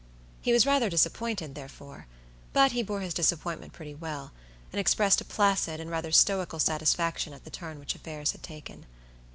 He was rather disappointed, therefore; but he bore his disappointment pretty well, and expressed a placid and rather stoical satisfaction at the turn which affairs had taken.